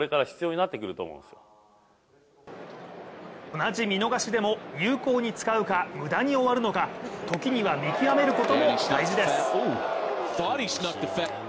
同じ見逃しでも有効に使うか無駄に終わるのか、時には見極めることも大事です。